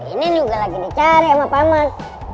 ini juga lagi dicari sama paman